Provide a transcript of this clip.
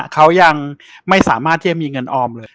เขายังไม่สามารถที่จะมีเงินออมเลย